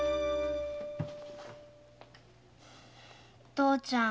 父ちゃん